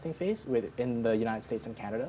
dalam fase ujian beta di amerika dan kanada